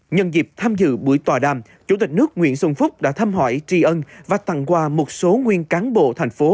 nhân dịp tham dự buổi tòa đàm chủ tịch nước nguyễn xuân phúc đã thăm hỏi tri ân và tặng quà một số nguyên cán bộ thành phố